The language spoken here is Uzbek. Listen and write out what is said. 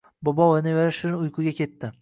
Bobo va nevara shirin uyquga ketdi…